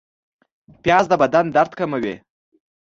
پیاز د بدن درد کموي